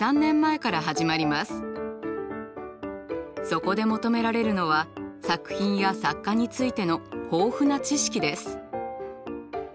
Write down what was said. そこで求められるのは作品や作家についての豊富な知識です。